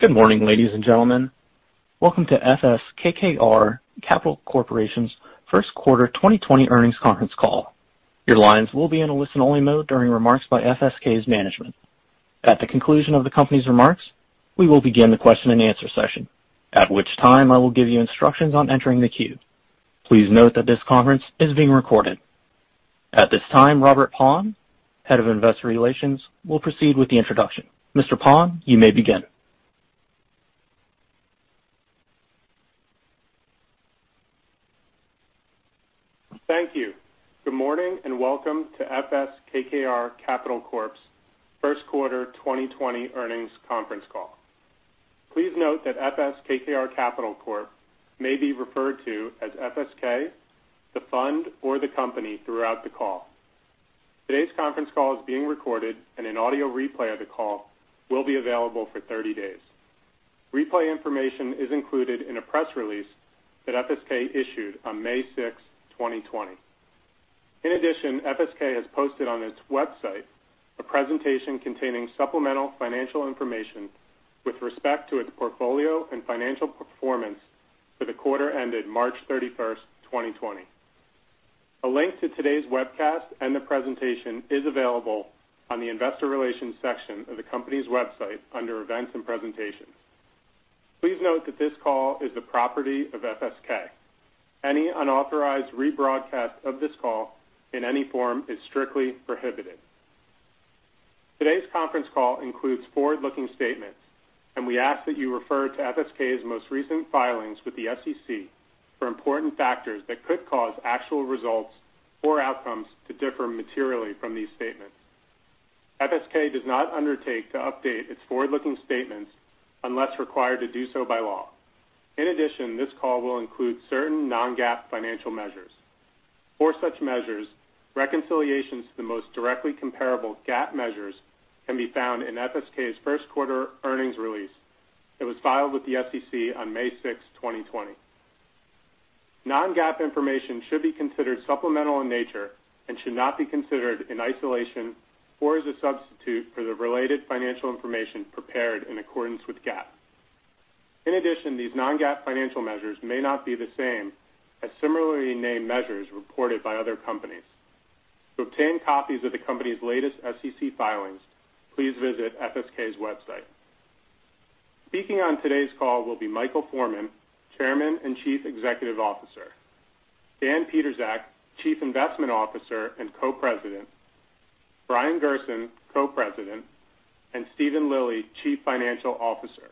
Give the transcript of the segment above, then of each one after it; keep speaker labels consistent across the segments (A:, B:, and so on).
A: Good morning, ladies and gentlemen. Welcome to FS KKR Capital Corporation's first quarter 2020 earnings conference call. Your lines will be in a listen-only mode during remarks by FSK's management. At the conclusion of the company's remarks, we will begin the question-and-answer session, at which time I will give you instructions on entering the queue. Please note that this conference is being recorded. At this time, Robert Paun, Head of Investor Relations, will proceed with the introduction. Mr. Paun, you may begin.
B: Thank you. Good morning and welcome to FS KKR Capital Corp's first quarter 2020 earnings conference call. Please note that FS KKR Capital Corp may be referred to as FSK, the fund, or the company throughout the call. Today's conference call is being recorded, and an audio replay of the call will be available for 30 days. Replay information is included in a press release that FSK issued on May 6, 2020. In addition, FSK has posted on its website a presentation containing supplemental financial information with respect to its portfolio and financial performance for the quarter ended March 31, 2020. A link to today's webcast and the presentation is available on the investor relations section of the company's website under events and presentations. Please note that this call is the property of FSK. Any unauthorized rebroadcast of this call in any form is strictly prohibited. Today's conference call includes forward-looking statements, and we ask that you refer to FSK's most recent filings with the SEC for important factors that could cause actual results or outcomes to differ materially from these statements. FSK does not undertake to update its forward-looking statements unless required to do so by law. In addition, this call will include certain non-GAAP financial measures. For such measures, reconciliations to the most directly comparable GAAP measures can be found in FSK's first quarter earnings release that was filed with the SEC on May 6, 2020. Non-GAAP information should be considered supplemental in nature and should not be considered in isolation or as a substitute for the related financial information prepared in accordance with GAAP. In addition, these non-GAAP financial measures may not be the same as similarly named measures reported by other companies. To obtain copies of the company's latest SEC filings, please visit FSK's website. Speaking on today's call will be Michael Forman, Chairman and Chief Executive Officer, Dan Pietrzak, Chief Investment Officer and Co-President, Brian Gerson, Co-President, and Steven Lilly, Chief Financial Officer.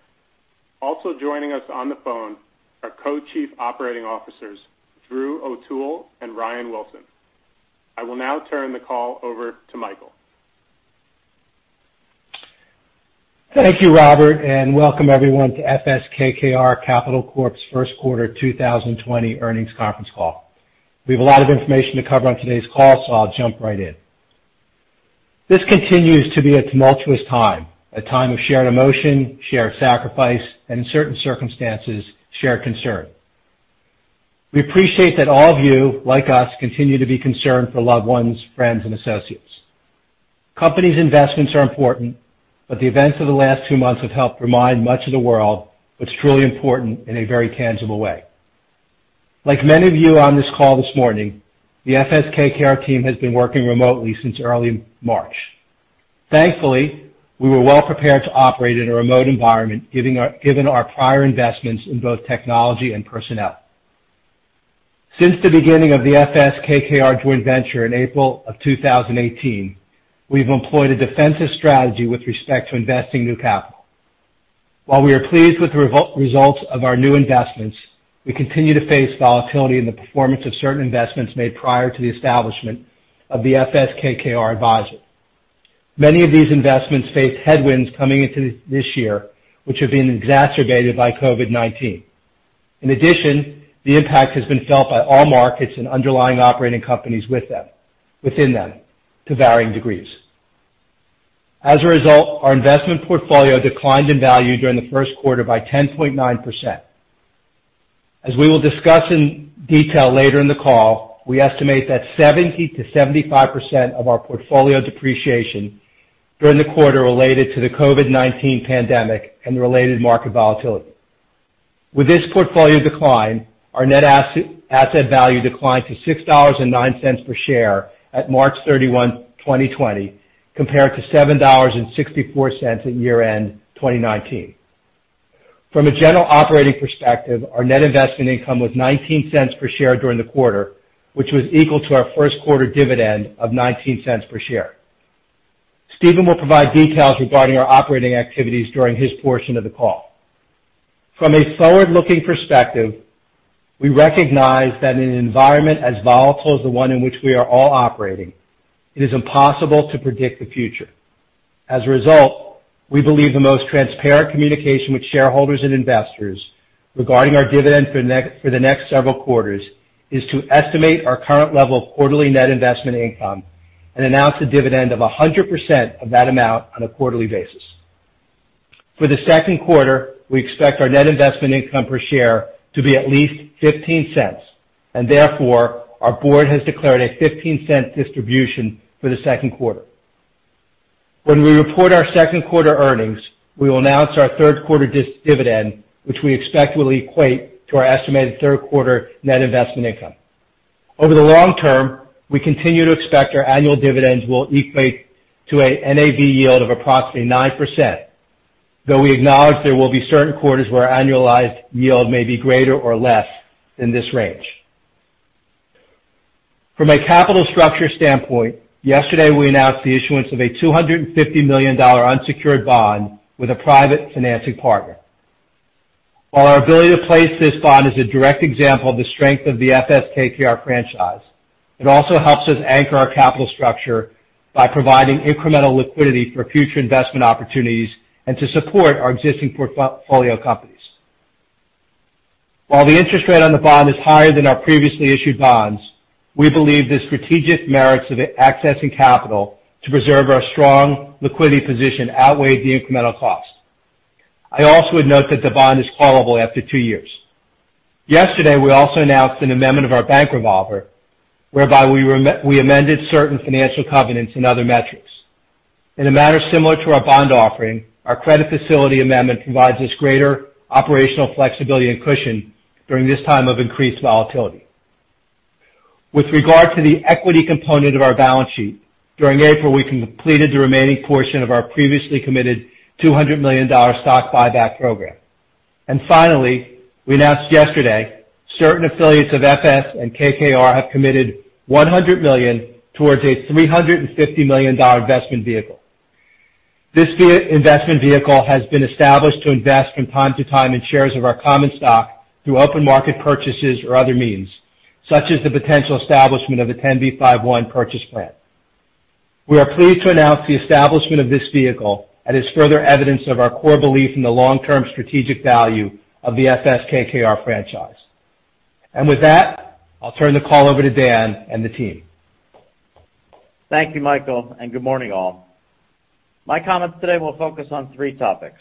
B: Also joining us on the phone are Co-Chief Operating Officers Drew O'Toole and Ryan Wilson. I will now turn the call over to Michael.
C: Thank you, Robert, and welcome everyone to FS KKR Capital Corp's first quarter 2020 earnings conference call. We have a lot of information to cover on today's call, so I'll jump right in. This continues to be a tumultuous time, a time of shared emotion, shared sacrifice, and in certain circumstances, shared concern. We appreciate that all of you, like us, continue to be concerned for loved ones, friends, and associates. Companies' investments are important, but the events of the last two months have helped remind much of the world what's truly important in a very tangible way. Like many of you on this call this morning, the FS KKR team has been working remotely since early March. Thankfully, we were well prepared to operate in a remote environment, given our prior investments in both technology and personnel. Since the beginning of the FS KKR joint venture in April of 2018, we've employed a defensive strategy with respect to investing new capital. While we are pleased with the results of our new investments, we continue to face volatility in the performance of certain investments made prior to the establishment of the FS KKR Advisor. Many of these investments faced headwinds coming into this year, which have been exacerbated by COVID-19. In addition, the impact has been felt by all markets and underlying operating companies within them to varying degrees. As a result, our investment portfolio declined in value during the first quarter by 10.9%. As we will discuss in detail later in the call, we estimate that 70%-75% of our portfolio depreciation during the quarter related to the COVID-19 pandemic and related market volatility. With this portfolio decline, our net asset value declined to $6.09 per share at March 31, 2020, compared to $7.64 at year-end 2019. From a general operating perspective, our net investment income was $0.19 per share during the quarter, which was equal to our first quarter dividend of $0.19 per share. Steven will provide details regarding our operating activities during his portion of the call. From a forward-looking perspective, we recognize that in an environment as volatile as the one in which we are all operating, it is impossible to predict the future. As a result, we believe the most transparent communication with shareholders and investors regarding our dividend for the next several quarters is to estimate our current level of quarterly net investment income and announce a dividend of 100% of that amount on a quarterly basis. For the second quarter, we expect our net investment income per share to be at least $0.15, and therefore, our board has declared a $0.15 distribution for the second quarter. When we report our second quarter earnings, we will announce our third quarter dividend, which we expect will equate to our estimated third quarter net investment income. Over the long term, we continue to expect our annual dividends will equate to an NAV yield of approximately 9%, though we acknowledge there will be certain quarters where our annualized yield may be greater or less than this range. From a capital structure standpoint, yesterday we announced the issuance of a $250 million unsecured bond with a private financing partner. While our ability to place this bond is a direct example of the strength of the FS KKR franchise, it also helps us anchor our capital structure by providing incremental liquidity for future investment opportunities and to support our existing portfolio companies. While the interest rate on the bond is higher than our previously issued bonds, we believe the strategic merits of accessing capital to preserve our strong liquidity position outweighed the incremental cost. I also would note that the bond is callable after two years. Yesterday, we also announced an amendment of our bank revolver, whereby we amended certain financial covenants and other metrics. In a manner similar to our bond offering, our credit facility amendment provides us greater operational flexibility and cushion during this time of increased volatility. With regard to the equity component of our balance sheet, during April we completed the remaining portion of our previously committed $200 million stock buyback program, and finally, we announced yesterday certain affiliates of FS and KKR have committed $100 million towards a $350 million investment vehicle. This investment vehicle has been established to invest from time to time in shares of our common stock through open market purchases or other means, such as the potential establishment of a 10b5-1 purchase plan. We are pleased to announce the establishment of this vehicle and is further evidence of our core belief in the long-term strategic value of the FS KKR franchise, and with that, I'll turn the call over to Dan and the team.
D: Thank you, Michael, and good morning, all. My comments today will focus on three topics.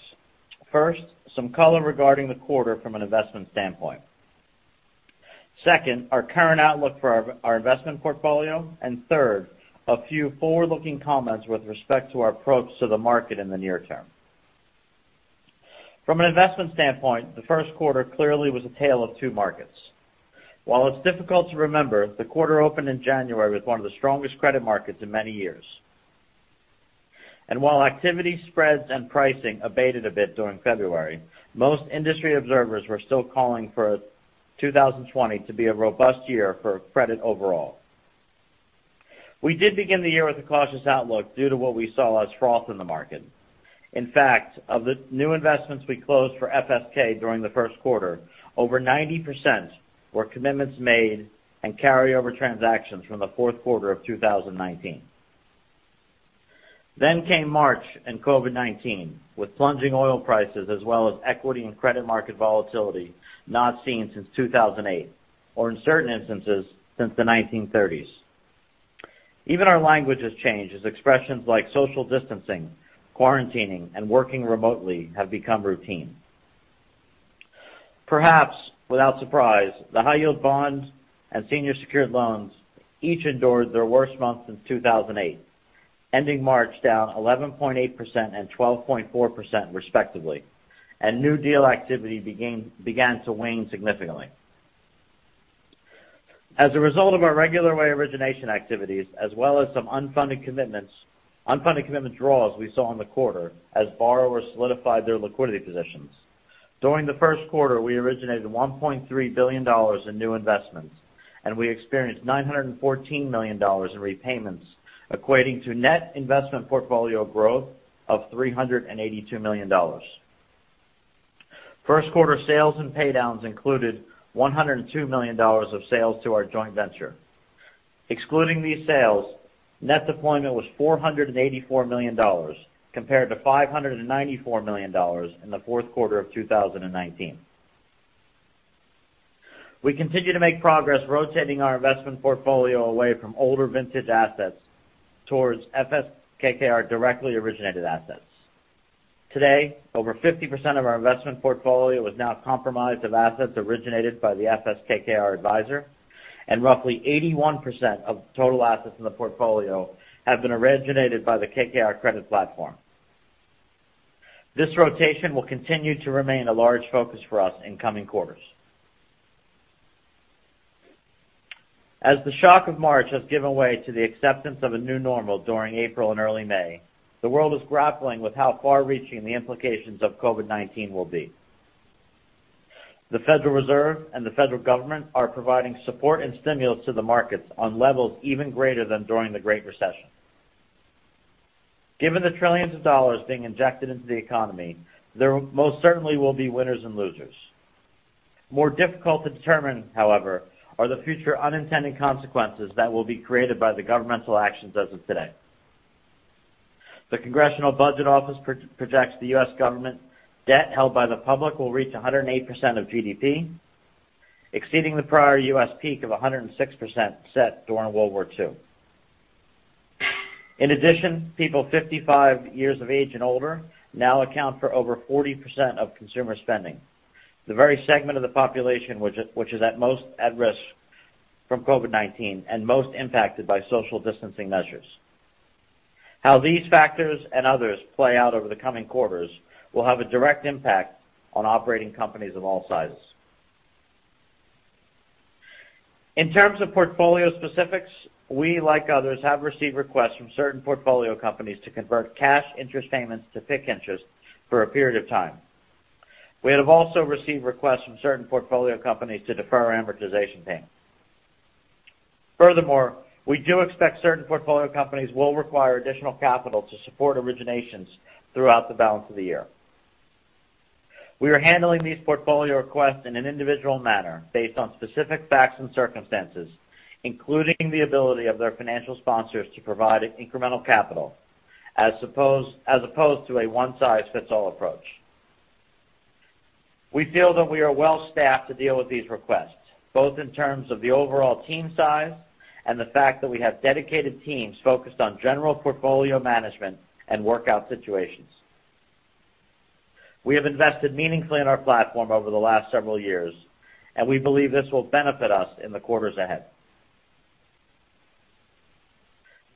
D: First, some color regarding the quarter from an investment standpoint. Second, our current outlook for our investment portfolio. And third, a few forward-looking comments with respect to our approach to the market in the near term. From an investment standpoint, the first quarter clearly was a tale of two markets. While it's difficult to remember, the quarter opened in January with one of the strongest credit markets in many years. And while activity, spreads, and pricing abated a bit during February, most industry observers were still calling for 2020 to be a robust year for credit overall. We did begin the year with a cautious outlook due to what we saw as froth in the market. In fact, of the new investments we closed for FSK during the first quarter, over 90% were commitments made and carryover transactions from the fourth quarter of 2019. Then came March and COVID-19, with plunging oil prices as well as equity and credit market volatility not seen since 2008, or in certain instances since the 1930s. Even our language has changed as expressions like social distancing, quarantining, and working remotely have become routine. Perhaps without surprise, the high-yield bonds and senior secured loans each endured their worst month since 2008, ending March down 11.8% and 12.4% respectively, and new deal activity began to wane significantly. As a result of our regular way origination activities, as well as some unfunded commitments, unfunded commitment draws we saw in the quarter as borrowers solidified their liquidity positions. During the first quarter, we originated $1.3 billion in new investments, and we experienced $914 million in repayments, equating to net investment portfolio growth of $382 million. First quarter sales and paydowns included $102 million of sales to our joint venture. Excluding these sales, net deployment was $484 million, compared to $594 million in the fourth quarter of 2019. We continue to make progress rotating our investment portfolio away from older vintage assets towards FS KKR directly originated assets. Today, over 50% of our investment portfolio is now comprised of assets originated by the FS KKR Advisor, and roughly 81% of total assets in the portfolio have been originated by the KKR Credit Platform. This rotation will continue to remain a large focus for us in coming quarters. As the shock of March has given way to the acceptance of a new normal during April and early May, the world is grappling with how far-reaching the implications of COVID-19 will be. The Federal Reserve and the Federal Government are providing support and stimulus to the markets on levels even greater than during the Great Recession. Given the trillions of dollars being injected into the economy, there most certainly will be winners and losers. More difficult to determine, however, are the future unintended consequences that will be created by the governmental actions as of today. The Congressional Budget Office projects the U.S. government debt held by the public will reach 108% of GDP, exceeding the prior U.S. peak of 106% set during World War II. In addition, people 55 years of age and older now account for over 40% of consumer spending, the very segment of the population which is at most at risk from COVID-19 and most impacted by social distancing measures. How these factors and others play out over the coming quarters will have a direct impact on operating companies of all sizes. In terms of portfolio specifics, we, like others, have received requests from certain portfolio companies to convert cash interest payments to fixed interest for a period of time. We have also received requests from certain portfolio companies to defer amortization payments. Furthermore, we do expect certain portfolio companies will require additional capital to support originations throughout the balance of the year. We are handling these portfolio requests in an individual manner based on specific facts and circumstances, including the ability of their financial sponsors to provide incremental capital, as opposed to a one-size-fits-all approach. We feel that we are well-staffed to deal with these requests, both in terms of the overall team size and the fact that we have dedicated teams focused on general portfolio management and workout situations. We have invested meaningfully in our platform over the last several years, and we believe this will benefit us in the quarters ahead.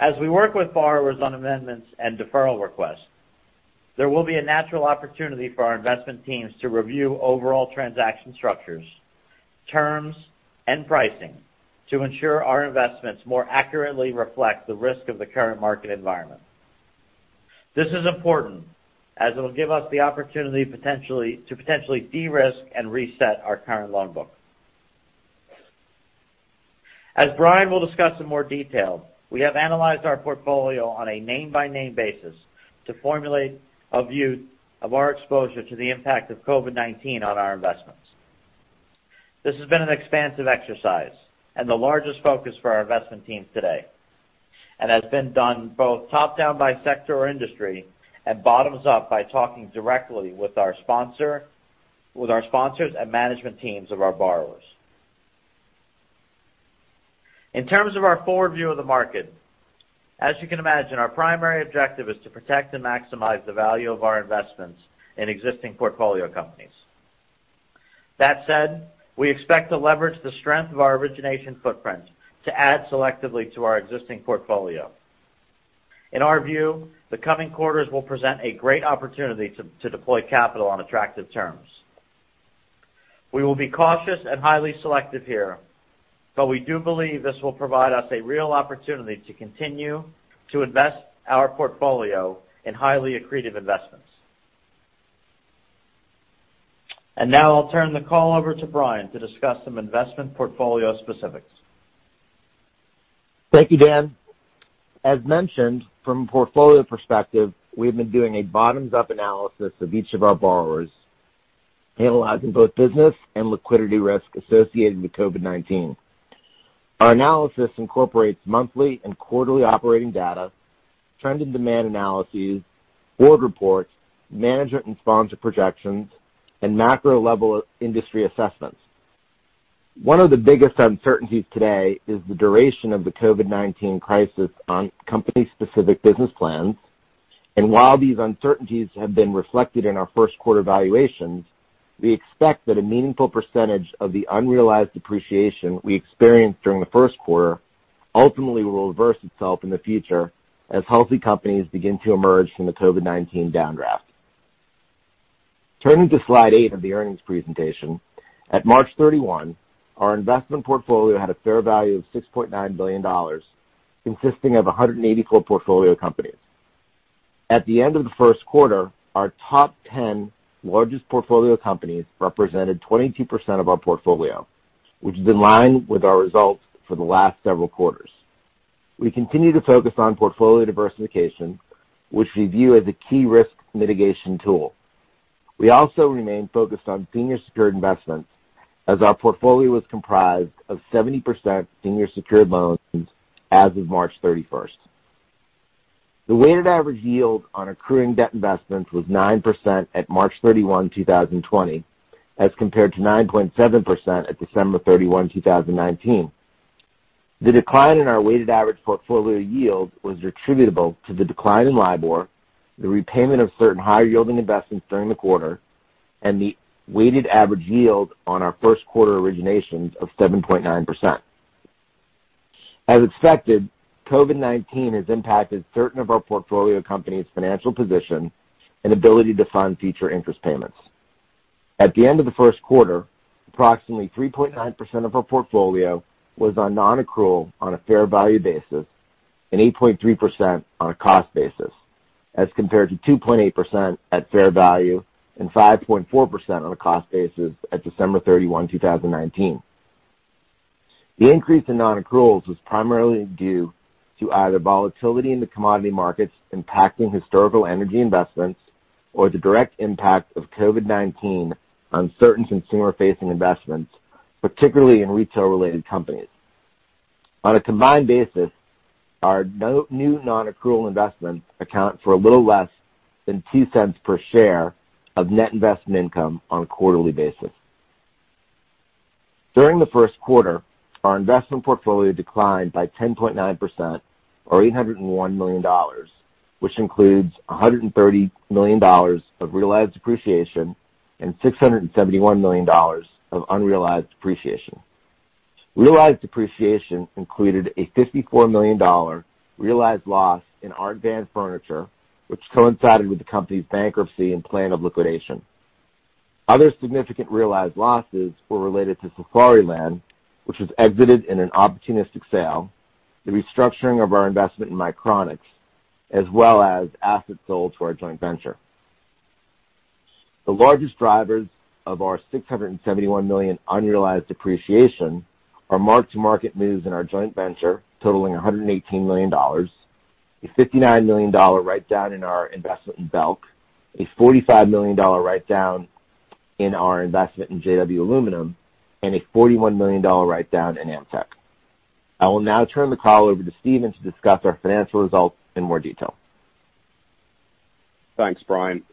D: As we work with borrowers on amendments and deferral requests, there will be a natural opportunity for our investment teams to review overall transaction structures, terms, and pricing to ensure our investments more accurately reflect the risk of the current market environment. This is important as it will give us the opportunity to potentially de-risk and reset our current loan book. As Brian will discuss in more detail, we have analyzed our portfolio on a name-by-name basis to formulate a view of our exposure to the impact of COVID-19 on our investments. This has been an expansive exercise and the largest focus for our investment teams today, and has been done both top-down by sector or industry and bottoms-up by talking directly with our sponsors and management teams of our borrowers. In terms of our forward view of the market, as you can imagine, our primary objective is to protect and maximize the value of our investments in existing portfolio companies. That said, we expect to leverage the strength of our origination footprint to add selectively to our existing portfolio. In our view, the coming quarters will present a great opportunity to deploy capital on attractive terms. We will be cautious and highly selective here, but we do believe this will provide us a real opportunity to continue to invest our portfolio in highly accretive investments, and now I'll turn the call over to Brian to discuss some investment portfolio specifics.
E: Thank you, Dan. As mentioned, from a portfolio perspective, we have been doing a bottoms-up analysis of each of our borrowers, analyzing both business and liquidity risk associated with COVID-19. Our analysis incorporates monthly and quarterly operating data, trend and demand analyses, board reports, management and sponsor projections, and macro-level industry assessments. One of the biggest uncertainties today is the duration of the COVID-19 crisis on company-specific business plans, and while these uncertainties have been reflected in our first quarter valuations, we expect that a meaningful percentage of the unrealized depreciation we experienced during the first quarter ultimately will reverse itself in the future as healthy companies begin to emerge from the COVID-19 downdraft. Turning to slide eight of the earnings presentation, at March 31, our investment portfolio had a fair value of $6.9 billion, consisting of 184 portfolio companies. At the end of the first quarter, our top 10 largest portfolio companies represented 22% of our portfolio, which is in line with our results for the last several quarters. We continue to focus on portfolio diversification, which we view as a key risk mitigation tool. We also remain focused on senior secured investments as our portfolio was comprised of 70% senior secured loans as of March 31. The weighted average yield on accruing debt investments was 9% at March 31, 2020, as compared to 9.7% at December 31, 2019. The decline in our weighted average portfolio yield was attributable to the decline in LIBOR, the repayment of certain higher-yielding investments during the quarter, and the weighted average yield on our first quarter originations of 7.9%. As expected, COVID-19 has impacted certain of our portfolio companies' financial position and ability to fund future interest payments. At the end of the first quarter, approximately 3.9% of our portfolio was on non-accrual on a fair value basis and 8.3% on a cost basis, as compared to 2.8% at fair value and 5.4% on a cost basis at December 31, 2019. The increase in non-accruals was primarily due to either volatility in the commodity markets impacting historical energy investments or the direct impact of COVID-19 on certain consumer-facing investments, particularly in retail-related companies. On a combined basis, our new non-accrual investments account for a little less than 2 cents per share of net investment income on a quarterly basis. During the first quarter, our investment portfolio declined by 10.9% or $801 million, which includes $130 million of realized depreciation and $671 million of unrealized depreciation. Realized depreciation included a $54 million realized loss in Art Van Furniture, which coincided with the company's bankruptcy and plan of liquidation. Other significant realized losses were related to Safariland, which was exited in an opportunistic sale, the restructuring of our investment in Micronics, as well as assets sold to our joint venture. The largest drivers of our $671 million unrealized depreciation are mark-to-market moves in our joint venture totaling $118 million, a $59 million write-down in our investment in Belk, a $45 million write-down in our investment in JW Aluminum, and a $41 million write-down in Amtek. I will now turn the call over to Steven to discuss our financial results in more detail.
F: Thanks, Brian.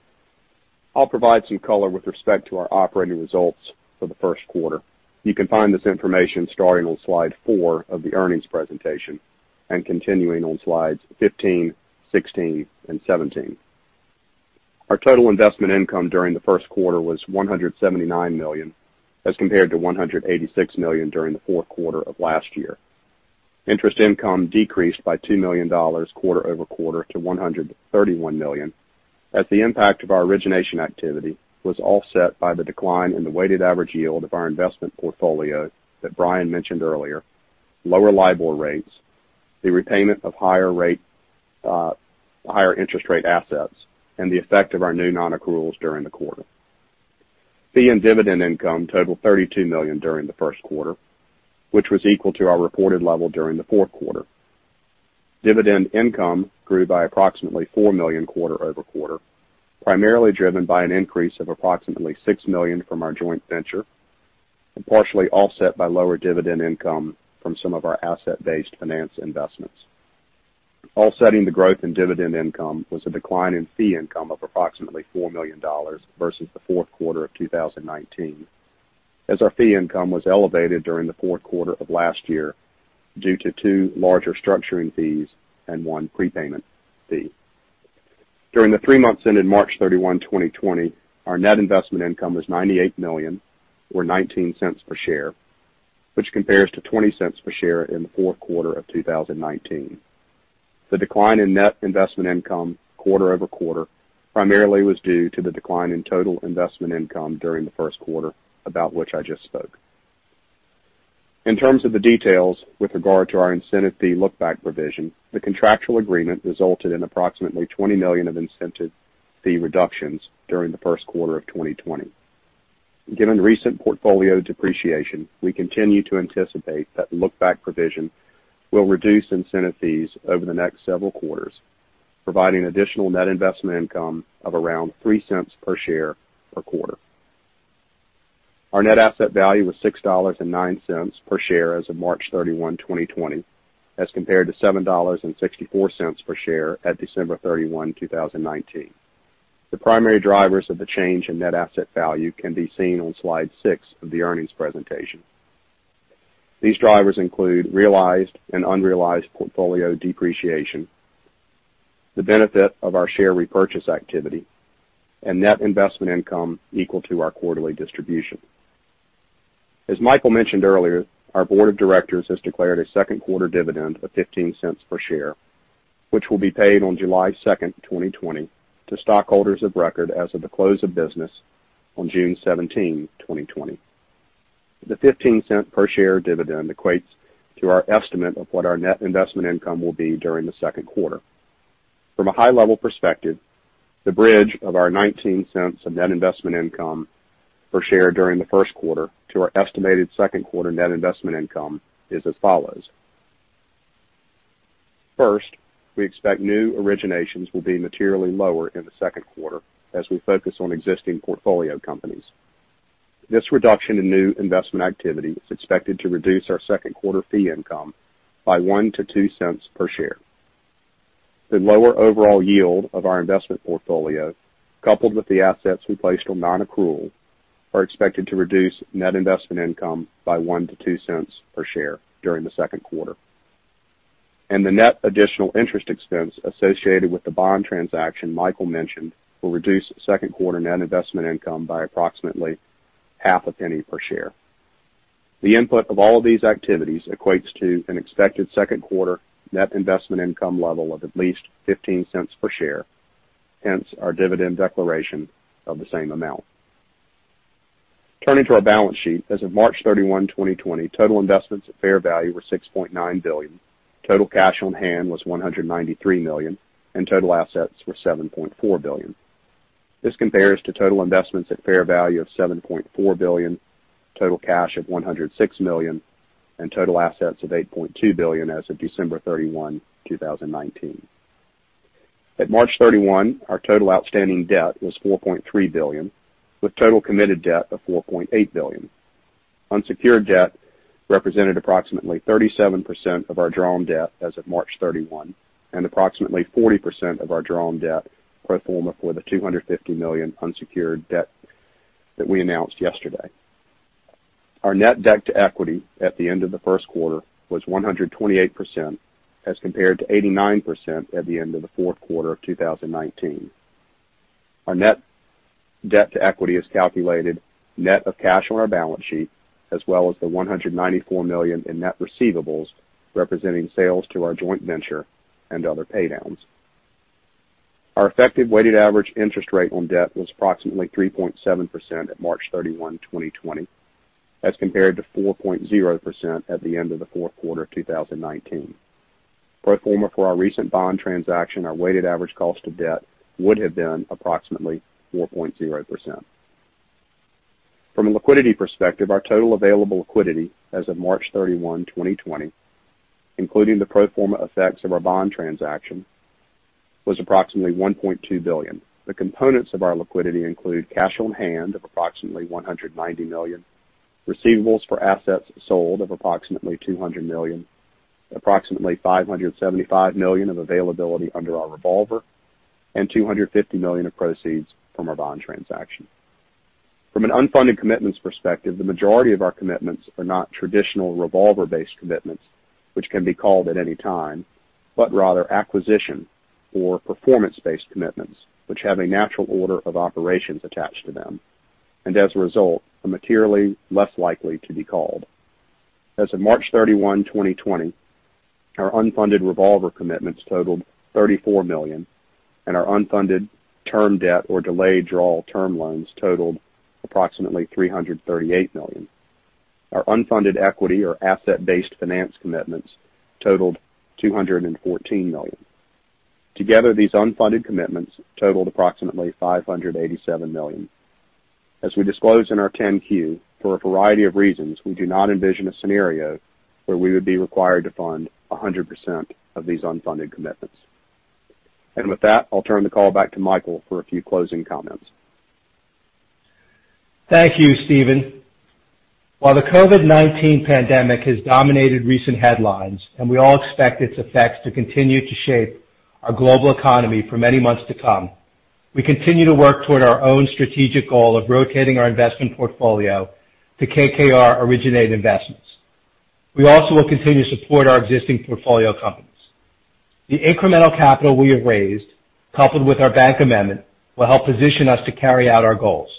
F: I'll provide some color with respect to our operating results for the first quarter. You can find this information starting on slide four of the earnings presentation and continuing on slides 15, 16, and 17. Our total investment income during the first quarter was $179 million, as compared to $186 million during the fourth quarter of last year. Interest income decreased by $2 million quarter over quarter to $131 million, as the impact of our origination activity was offset by the decline in the weighted average yield of our investment portfolio that Brian mentioned earlier, lower LIBOR rates, the repayment of higher interest rate assets, and the effect of our new non-accruals during the quarter. Fee and dividend income totaled $32 million during the first quarter, which was equal to our reported level during the fourth quarter. Dividend income grew by approximately $4 million quarter over quarter, primarily driven by an increase of approximately $6 million from our joint venture and partially offset by lower dividend income from some of our asset-based finance investments. Offsetting the growth in dividend income was a decline in fee income of approximately $4 million versus the fourth quarter of 2019, as our fee income was elevated during the fourth quarter of last year due to two larger structuring fees and one prepayment fee. During the three months ended March 31, 2020, our net investment income was $98 million, or $0.19 per share, which compares to $0.20 per share in the fourth quarter of 2019. The decline in net investment income quarter over quarter primarily was due to the decline in total investment income during the first quarter, about which I just spoke. In terms of the details with regard to our incentive fee look-back provision, the contractual agreement resulted in approximately $20 million of incentive fee reductions during the first quarter of 2020. Given recent portfolio depreciation, we continue to anticipate that the look-back provision will reduce incentive fees over the next several quarters, providing additional net investment income of around three cents per share per quarter. Our net asset value was $6.09 per share as of March 31, 2020, as compared to $7.64 per share at December 31, 2019. The primary drivers of the change in net asset value can be seen on slide six of the earnings presentation. These drivers include realized and unrealized portfolio depreciation, the benefit of our share repurchase activity, and net investment income equal to our quarterly distribution. As Michael mentioned earlier, our board of directors has declared a second quarter dividend of $0.15 per share, which will be paid on July 2, 2020, to stockholders of record as of the close of business on June 17, 2020. The $0.15 per share dividend equates to our estimate of what our net investment income will be during the second quarter. From a high-level perspective, the bridge of our $0.19 of net investment income per share during the first quarter to our estimated second quarter net investment income is as follows. First, we expect new originations will be materially lower in the second quarter as we focus on existing portfolio companies. This reduction in new investment activity is expected to reduce our second quarter fee income by $0.01-$0.02 per share. The lower overall yield of our investment portfolio, coupled with the assets we placed on non-accrual, are expected to reduce net investment income by $0.01-$0.02 per share during the second quarter. And the net additional interest expense associated with the bond transaction Michael mentioned will reduce second quarter net investment income by approximately $0.005 per share. The input of all of these activities equates to an expected second quarter net investment income level of at least $0.15 per share, hence our dividend declaration of the same amount. Turning to our balance sheet, as of March 31, 2020, total investments at fair value were $6.9 billion, total cash on hand was $193 million, and total assets were $7.4 billion. This compares to total investments at fair value of $7.4 billion, total cash of $106 million, and total assets of $8.2 billion as of December 31, 2019. At March 31, our total outstanding debt was $4.3 billion, with total committed debt of $4.8 billion. Unsecured debt represented approximately 37% of our drawn debt as of March 31 and approximately 40% of our drawn debt pro forma for the $250 million unsecured debt that we announced yesterday. Our net debt to equity at the end of the first quarter was 128% as compared to 89% at the end of the fourth quarter of 2019. Our net debt to equity is calculated net of cash on our balance sheet, as well as the $194 million in net receivables representing sales to our joint venture and other paydowns. Our effective weighted average interest rate on debt was approximately 3.7% at March 31, 2020, as compared to 4.0% at the end of the fourth quarter of 2019. Pro forma for our recent bond transaction, our weighted average cost of debt would have been approximately 4.0%. From a liquidity perspective, our total available liquidity as of March 31, 2020, including the pro forma effects of our bond transaction, was approximately $1.2 billion. The components of our liquidity include cash on hand of approximately $190 million, receivables for assets sold of approximately $200 million, approximately $575 million of availability under our revolver, and $250 million of proceeds from our bond transaction. From an unfunded commitments perspective, the majority of our commitments are not traditional revolver-based commitments, which can be called at any time, but rather acquisition or performance-based commitments, which have a natural order of operations attached to them, and as a result, are materially less likely to be called. As of March 31, 2020, our unfunded revolver commitments totaled $34 million, and our unfunded term debt or delayed draw term loans totaled approximately $338 million. Our unfunded equity or asset-based finance commitments totaled $214 million. Together, these unfunded commitments totaled approximately $587 million. As we disclosed in our 10-Q, for a variety of reasons, we do not envision a scenario where we would be required to fund 100% of these unfunded commitments. With that, I'll turn the call back to Michael for a few closing comments.
C: Thank you, Steven. While the COVID-19 pandemic has dominated recent headlines, and we all expect its effects to continue to shape our global economy for many months to come, we continue to work toward our own strategic goal of rotating our investment portfolio to KKR Originate Investments. We also will continue to support our existing portfolio companies. The incremental capital we have raised, coupled with our bank amendment, will help position us to carry out our goals.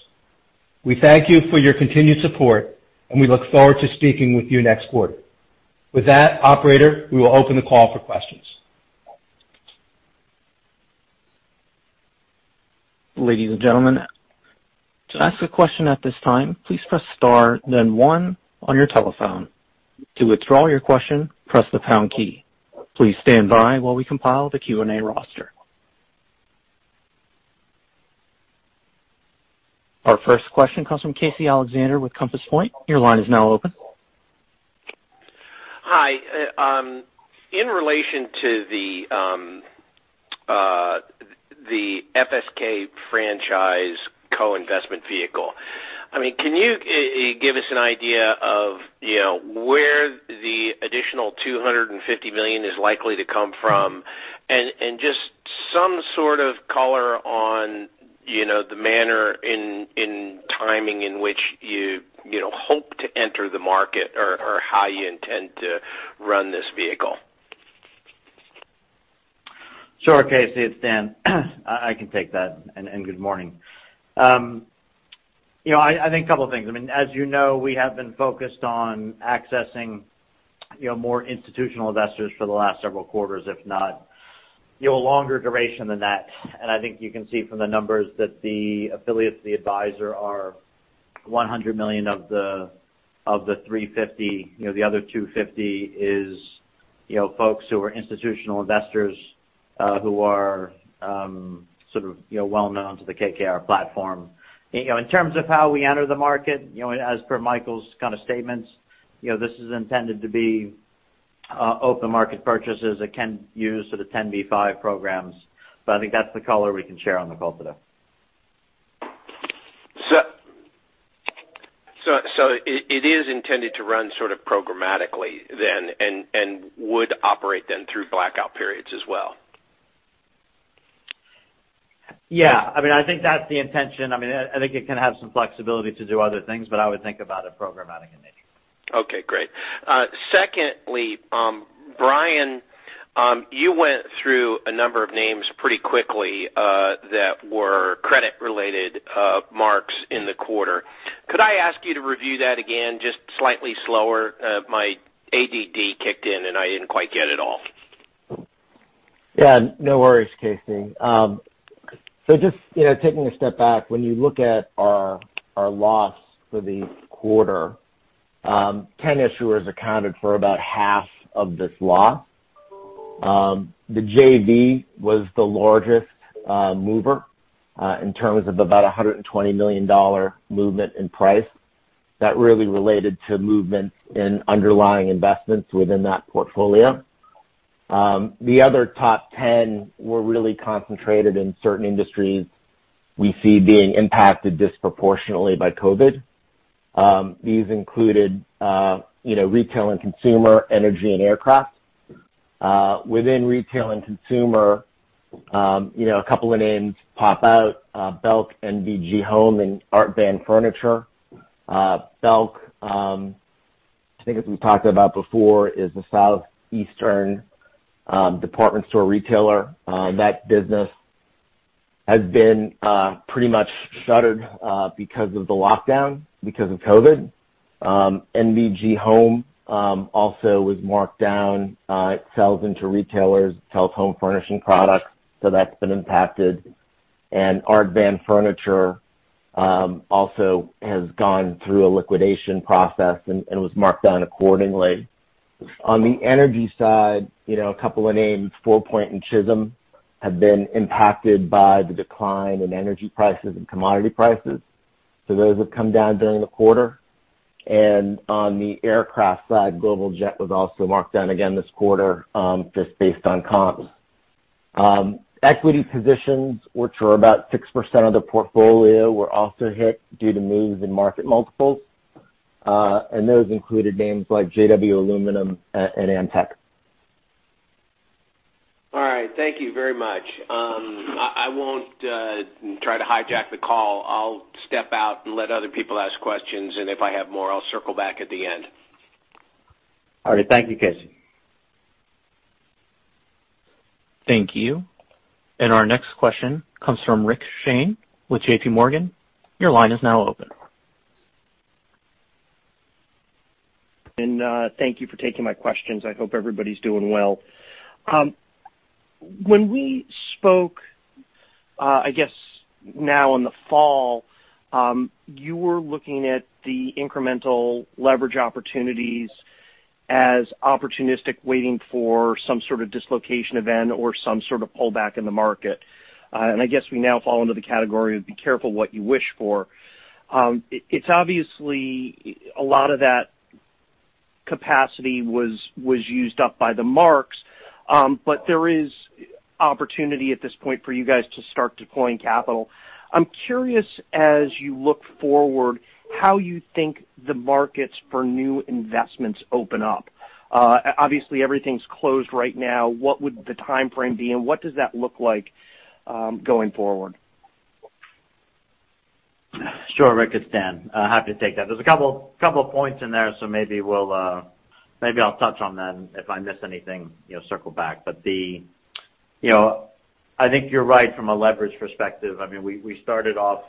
C: We thank you for your continued support, and we look forward to speaking with you next quarter. With that, Operator, we will open the call for questions.
A: Ladies and gentlemen, to ask a question at this time, please press star, then one on your telephone. To withdraw your question, press the pound key. Please stand by while we compile the Q&A roster. Our first question comes from Casey Alexander with Compass Point. Your line is now open.
G: Hi. In relation to the FSK franchise co-investment vehicle, I mean, can you give us an idea of where the additional $250 million is likely to come from and just some sort of color on the manner and timing in which you hope to enter the market or how you intend to run this vehicle?
D: Sure, Casey. It's Dan. I can take that, and good morning. I think a couple of things. I mean, as you know, we have been focused on accessing more institutional investors for the last several quarters, if not a longer duration than that. And I think you can see from the numbers that the affiliates, the advisor, are $100 million of the $350 million. The other $250 million is folks who are institutional investors who are sort of well-known to the KKR platform. In terms of how we enter the market, as per Michael's kind of statements, this is intended to be open market purchases. It can use sort of 10b5-1 programs, but I think that's the color we can share on the call today.
G: So it is intended to run sort of programmatically then and would operate then through blackout periods as well?
D: Yeah. I mean, I think that's the intention. I mean, I think it can have some flexibility to do other things, but I would think about it programmatic in nature.
G: Okay. Great. Secondly, Brian, you went through a number of names pretty quickly that were credit-related marks in the quarter. Could I ask you to review that again just slightly slower? My ADD kicked in, and I didn't quite get it all.
E: Yeah. No worries, Casey. So just taking a step back, when you look at our loss for the quarter, 10 issuers accounted for about half of this loss. The JV was the largest mover in terms of about a $120 million movement in price. That really related to movements in underlying investments within that portfolio. The other top 10 were really concentrated in certain industries we see being impacted disproportionately by COVID. These included retail and consumer, energy, and aircraft. Within retail and consumer, a couple of names pop out: Belk, NBG Home, and Art Van Furniture. Belk, I think as we've talked about before, is a southeastern department store retailer. That business has been pretty much shuttered because of the lockdown, because of COVID. NBG Home also was marked down. It sells into retailers. It sells home furnishing products. So that's been impacted. And Art Van Furniture also has gone through a liquidation process and was marked down accordingly. On the energy side, a couple of names, FourPoint and Chisholm, have been impacted by the decline in energy prices and commodity prices. So those have come down during the quarter. And on the aircraft side, Global Jet was also marked down again this quarter, just based on comps. Equity positions, which are about 6% of the portfolio, were also hit due to moves in market multiples. And those included names like JW Aluminum and Amtech.
G: All right. Thank you very much. I won't try to hijack the call. I'll step out and let other people ask questions, and if I have more, I'll circle back at the end.
D: All right. Thank you, Casey.
A: Thank you. And our next question comes from Rick Shane with J.P. Morgan. Your line is now open.
H: And thank you for taking my questions. I hope everybody's doing well. When we spoke, I guess, now in the fall, you were looking at the incremental leverage opportunities as opportunistic waiting for some sort of dislocation event or some sort of pullback in the market. And I guess we now fall into the category of be careful what you wish for. It's obviously a lot of that capacity was used up by the marks, but there is opportunity at this point for you guys to start deploying capital. I'm curious, as you look forward, how you think the markets for new investments open up. Obviously, everything's closed right now. What would the timeframe be? And what does that look like going forward?
D: Sure. Rick, it's Dan. Happy to take that. There's a couple of points in there, so maybe I'll touch on them. If I miss anything, circle back. But I think you're right from a leverage perspective. I mean, we started off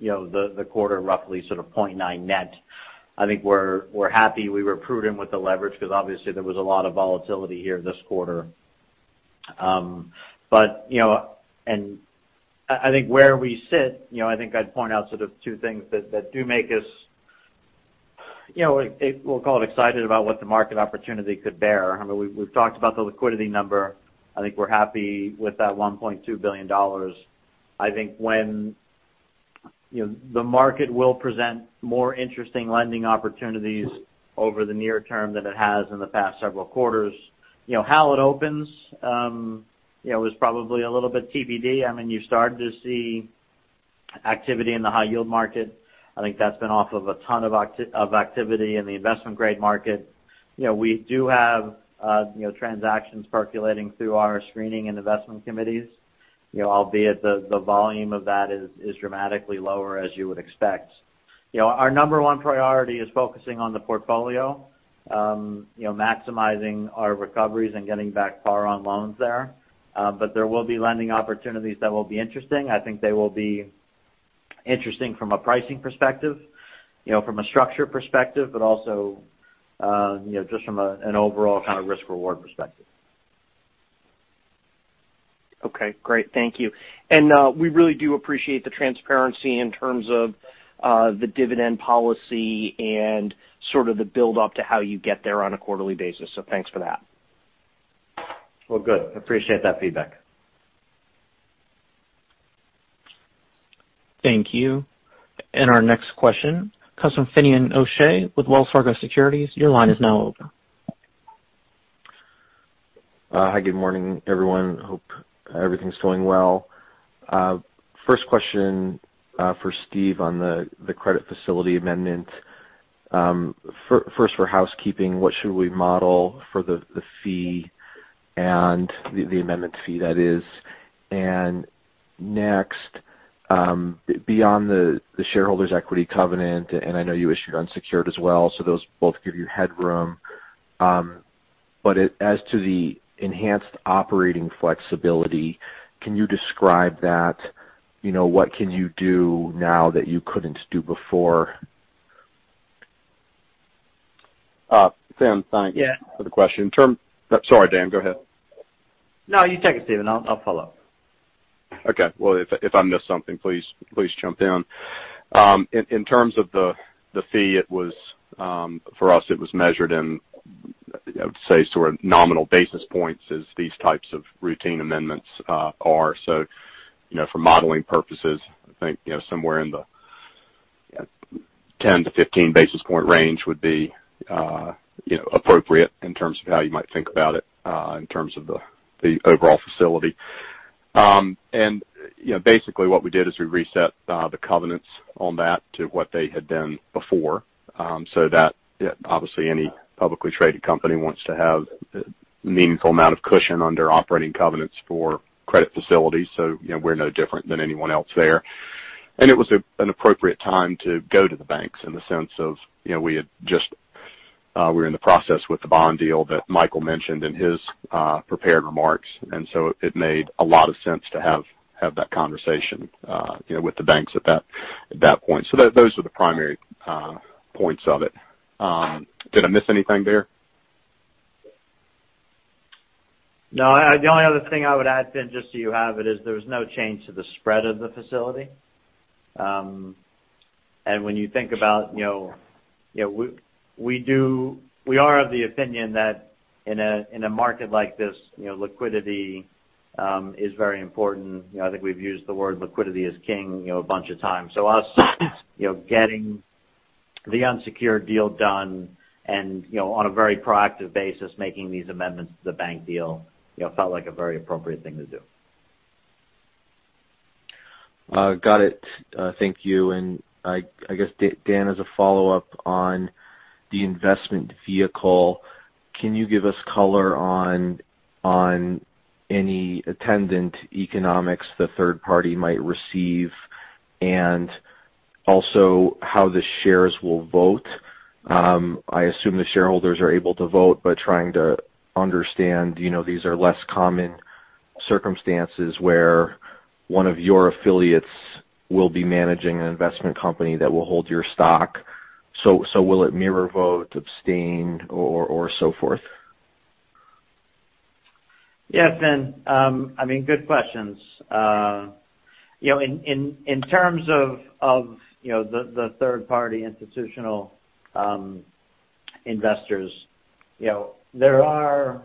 D: the quarter roughly sort of 0.9 net. I think we're happy. We were prudent with the leverage because obviously there was a lot of volatility here this quarter, and I think where we sit, I think I'd point out sort of two things that do make us, we'll call it excited about what the market opportunity could bear. I mean, we've talked about the liquidity number. I think we're happy with that $1.2 billion. I think when the market will present more interesting lending opportunities over the near term than it has in the past several quarters, how it opens is probably a little bit TBD. I mean, you started to see activity in the high-yield market. I think that's been off of a ton of activity in the investment-grade market. We do have transactions percolating through our screening and investment committees, albeit the volume of that is dramatically lower as you would expect. Our number one priority is focusing on the portfolio, maximizing our recoveries and getting back par on loans there. But there will be lending opportunities that will be interesting. I think they will be interesting from a pricing perspective, from a structure perspective, but also just from an overall kind of risk-reward perspective.
C: Okay. Great. Thank you. And we really do appreciate the transparency in terms of the dividend policy and sort of the build-up to how you get there on a quarterly basis. So thanks for that.
D: Good. Appreciate that feedback.
A: Thank you, and our next question, Finian O'Shea with Wells Fargo Securities, your line is now open.
I: Hi, good morning, everyone. Hope everything's going well. First question for Steve on the credit facility amendment. First, for housekeeping, what should we model for the fee and the amendment fee that is? And next, beyond the shareholders' equity covenant, and I know you issued unsecured as well, so those both give you headroom. But as to the enhanced operating flexibility, can you describe that? What can you do now that you couldn't do before?
C: Sam, thanks for the question. Sorry, Dan, go ahead.
D: No, you take it, Steven. I'll follow.
F: Okay. If I missed something, please jump in. In terms of the fee, for us, it was measured in, I would say, sort of nominal basis points as these types of routine amendments are. For modeling purposes, I think somewhere in the 10-15 basis point range would be appropriate in terms of how you might think about it in terms of the overall facility. Basically, what we did is we reset the covenants on that to what they had been before. That obviously any publicly traded company wants to have a meaningful amount of cushion under operating covenants for credit facilities. We're no different than anyone else there. It was an appropriate time to go to the banks in the sense of we were in the process with the bond deal that Michael mentioned in his prepared remarks. And so it made a lot of sense to have that conversation with the banks at that point. So those were the primary points of it. Did I miss anything there?
D: No, the only other thing I would add, then, just so you have it, is there was no change to the spread of the facility, and when you think about we are of the opinion that in a market like this, liquidity is very important. I think we've used the word liquidity as king a bunch of times, so us getting the unsecured deal done and on a very proactive basis, making these amendments to the bank deal felt like a very appropriate thing to do.
I: Got it. Thank you. And I guess, Dan, as a follow-up on the investment vehicle, can you give us color on any attendant economics the third party might receive and also how the shares will vote? I assume the shareholders are able to vote, but trying to understand these are less common circumstances where one of your affiliates will be managing an investment company that will hold your stock. So will it mirror vote, abstain, or so forth?
D: Yes, Dan. I mean, good questions. In terms of the third-party institutional investors, there are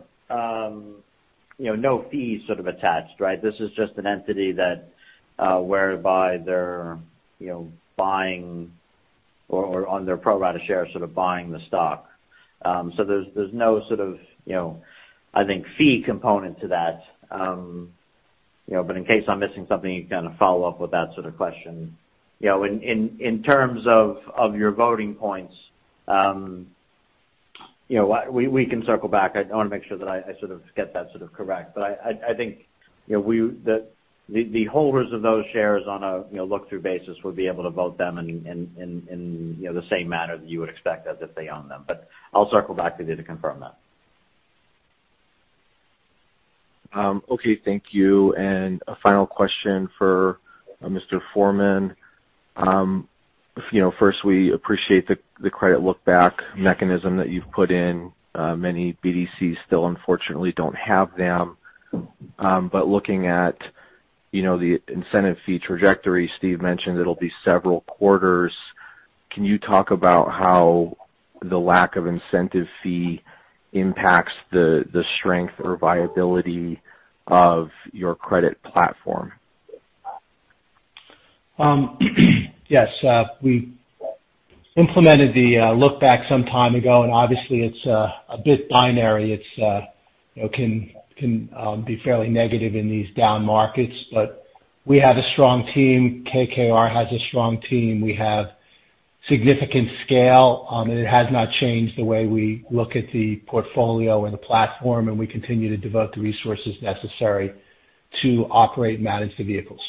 D: no fees sort of attached, right? This is just an entity whereby they're buying or on their pro-rata share sort of buying the stock. So there's no sort of, I think, fee component to that. But in case I'm missing something, you can kind of follow up with that sort of question. In terms of your voting points, we can circle back. I want to make sure that I sort of get that sort of correct. But I think the holders of those shares on a look-through basis would be able to vote them in the same manner that you would expect as if they own them. But I'll circle back with you to confirm that.
I: Okay. Thank you. And a final question for Mr. Forman. First, we appreciate the credit look-back mechanism that you've put in. Many BDCs still, unfortunately, don't have them. But looking at the incentive fee trajectory, Steve mentioned it'll be several quarters. Can you talk about how the lack of incentive fee impacts the strength or viability of your credit platform?
C: Yes. We implemented the look-back some time ago, and obviously, it's a bit binary. It can be fairly negative in these down markets. But we have a strong team. KKR has a strong team. We have significant scale. It has not changed the way we look at the portfolio and the platform, and we continue to devote the resources necessary to operate and manage the vehicles.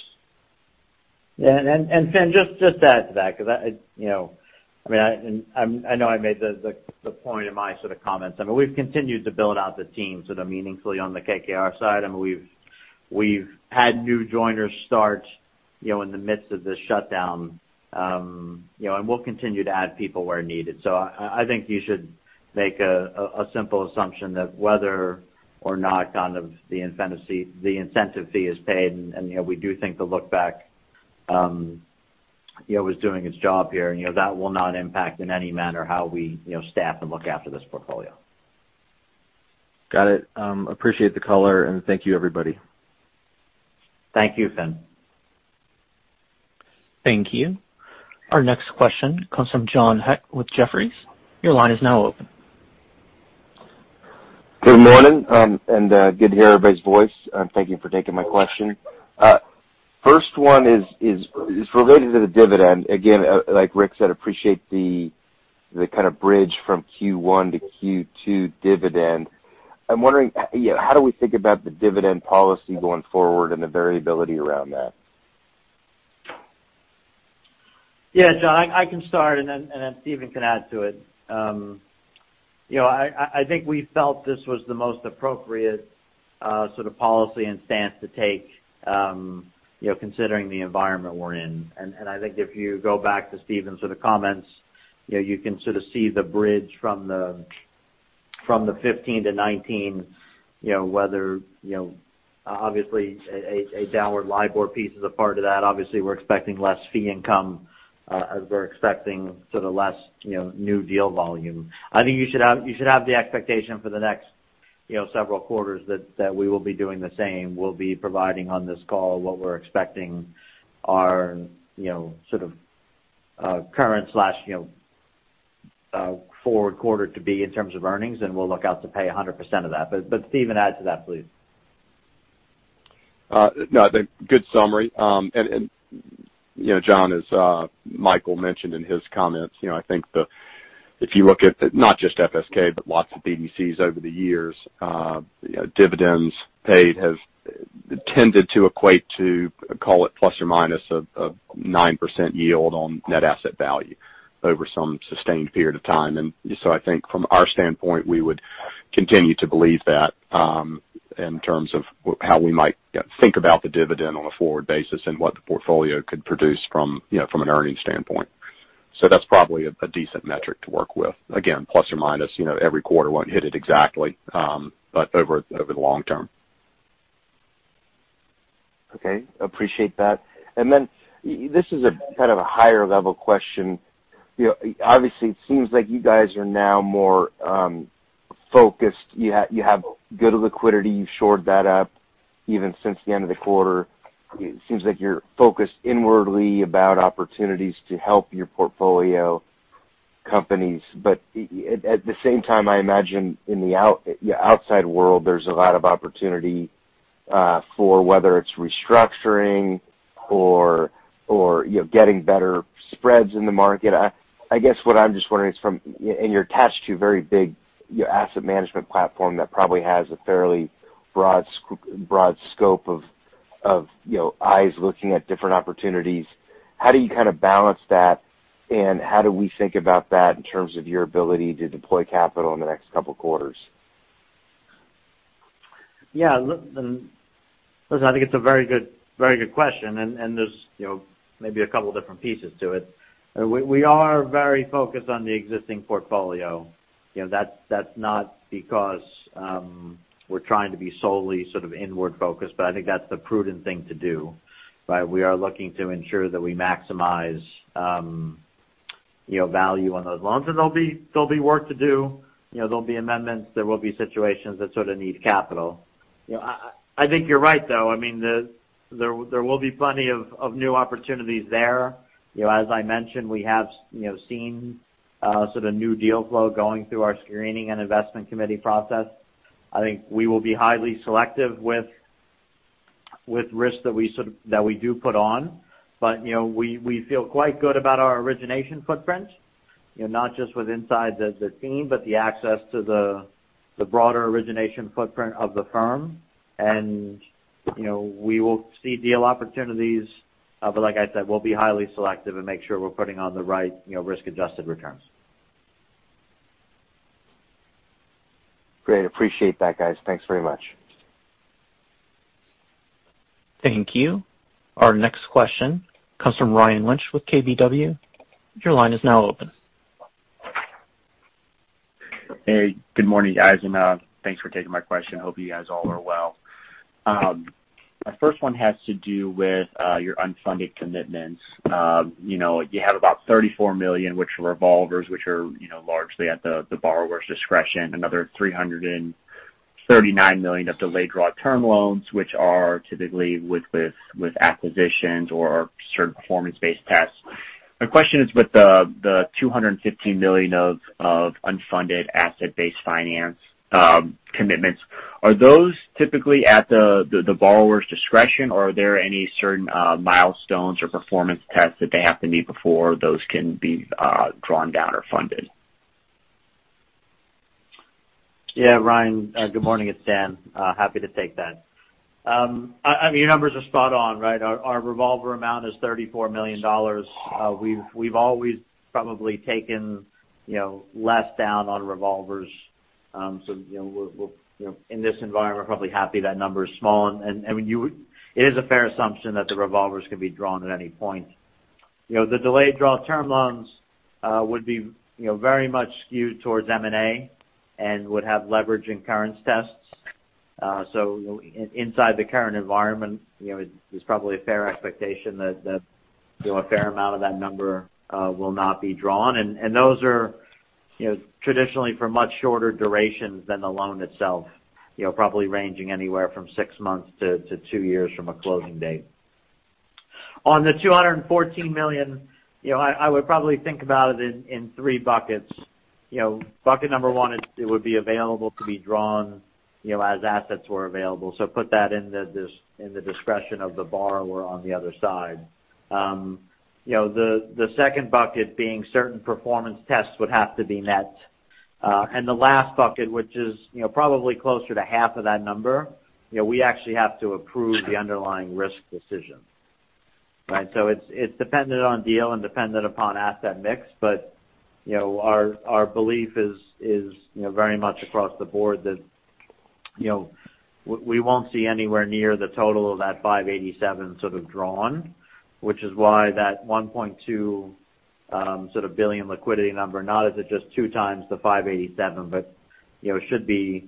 D: Yeah. And just to add to that, because I mean, I know I made the point in my sort of comments. I mean, we've continued to build out the team sort of meaningfully on the KKR side. I mean, we've had new joiners start in the midst of the shutdown. And we'll continue to add people where needed. So I think you should make a simple assumption that whether or not kind of the incentive fee is paid, and we do think the look-back was doing its job here, that will not impact in any manner how we staff and look after this portfolio.
I: Got it. Appreciate the color, and thank you, everybody.
D: Thank you, Finian.
A: Thank you. Our next question comes from John Hecht with Jefferies. Your line is now open.
J: Good morning, and good to hear everybody's voice, and thank you for taking my question. First one is related to the dividend. Again, like Rick said, appreciate the kind of bridge from Q1 to Q2 dividend. I'm wondering, how do we think about the dividend policy going forward and the variability around that?
D: Yeah, John, I can start, and then Steven can add to it. I think we felt this was the most appropriate sort of policy and stance to take considering the environment we're in. And I think if you go back to Steven's sort of comments, you can sort of see the bridge from the 15 to 19, with the obvious downward LIBOR piece is a part of that. Obviously, we're expecting less fee income as we're expecting sort of less new deal volume. I think you should have the expectation for the next several quarters that we will be doing the same. We'll be providing on this call what we're expecting our sort of current/forward quarter to be in terms of earnings, and we'll look out to pay 100% of that. But Steven, add to that, please.
F: No, I think good summary. And John, as Michael mentioned in his comments, I think if you look at not just FSK, but lots of BDCs over the years, dividends paid have tended to equate to, call it plus or minus, a 9% yield on net asset value over some sustained period of time. And so I think from our standpoint, we would continue to believe that in terms of how we might think about the dividend on a forward basis and what the portfolio could produce from an earnings standpoint. So that's probably a decent metric to work with. Again, plus or minus, every quarter won't hit it exactly, but over the long term.
J: Okay. Appreciate that. And then this is a kind of a higher-level question. Obviously, it seems like you guys are now more focused. You have good liquidity. You've shored that up even since the end of the quarter. It seems like you're focused inwardly about opportunities to help your portfolio companies. But at the same time, I imagine in the outside world, there's a lot of opportunity for whether it's restructuring or getting better spreads in the market. I guess what I'm just wondering is from, and you're attached to a very big asset management platform that probably has a fairly broad scope of eyes looking at different opportunities. How do you kind of balance that, and how do we think about that in terms of your ability to deploy capital in the next couple of quarters?
D: Yeah. Listen, I think it's a very good question. And there's maybe a couple of different pieces to it. We are very focused on the existing portfolio. That's not because we're trying to be solely sort of inward-focused, but I think that's the prudent thing to do, right? We are looking to ensure that we maximize value on those loans. And there'll be work to do. There'll be amendments. There will be situations that sort of need capital. I think you're right, though. I mean, there will be plenty of new opportunities there. As I mentioned, we have seen sort of new deal flow going through our screening and investment committee process. I think we will be highly selective with risks that we do put on. But we feel quite good about our origination footprint, not just with inside the team, but the access to the broader origination footprint of the firm. And we will see deal opportunities. But like I said, we'll be highly selective and make sure we're putting on the right risk-adjusted returns.
C: Great. Appreciate that, guys. Thanks very much.
A: Thank you. Our next question comes from Ryan Lynch with KBW. Your line is now open.
K: Hey, good morning, guys, and thanks for taking my question. Hope you guys all are well. My first one has to do with your unfunded commitments. You have about $34 million, which are revolvers, which are largely at the borrower's discretion. Another $339 million of delayed-draw term loans, which are typically with acquisitions or certain performance-based tests. My question is with the $215 million of unfunded asset-based finance commitments, are those typically at the borrower's discretion, or are there any certain milestones or performance tests that they have to meet before those can be drawn down or funded?
D: Yeah, Ryan, good morning. It's Dan. Happy to take that. I mean, your numbers are spot on, right? Our revolver amount is $34 million. We've always probably taken less down on revolvers, so in this environment, we're probably happy that number is small, and it is a fair assumption that the revolvers can be drawn at any point. The delayed-draw term loans would be very much skewed towards M&A and would have leverage in currency tests, so inside the current environment, it's probably a fair expectation that a fair amount of that number will not be drawn. And those are traditionally for much shorter durations than the loan itself, probably ranging anywhere from six months to two years from a closing date. On the $214 million, I would probably think about it in three buckets. Bucket number one, it would be available to be drawn as assets were available. So put that in the discretion of the borrower on the other side. The second bucket being certain performance tests would have to be met. And the last bucket, which is probably closer to half of that number, we actually have to approve the underlying risk decision, right? So it's dependent on deal and dependent upon asset mix. But our belief is very much across the board that we won't see anywhere near the total of that $587 million sort of drawn, which is why that $1.2 billion liquidity number, not as just two times the $587 million, but should be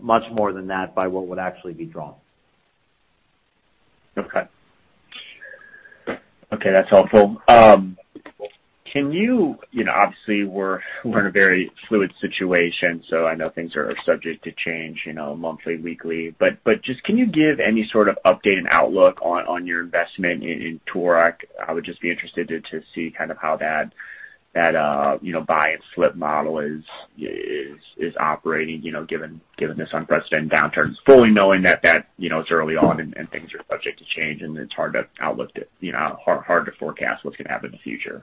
D: much more than that by what would actually be drawn.
K: Okay. Okay. That's helpful. Can you? Obviously, we're in a very fluid situation, so I know things are subject to change, monthly, weekly. But just can you give any sort of update and outlook on your investment in Toorak? I would just be interested to see kind of how that buy-and-flip model is operating given this unprecedented downturn, fully knowing that it's early on and things are subject to change, and it's hard to outlook it, hard to forecast what's going to happen in the future.
D: Yeah.